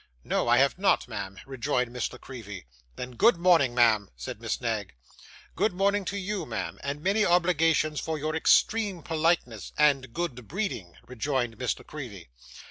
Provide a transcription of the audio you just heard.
'No, I have not, ma'am,' rejoined Miss La Creevy. 'Then good morning, ma'am,' said Miss Knag. 'Good morning to you, ma'am; and many obligations for your extreme politeness and good breeding,' rejoined Miss La Creevy.